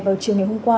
vào chiều ngày hôm qua